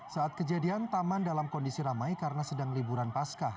saat kejadian taman dalam kondisi ramai karena sedang liburan pascah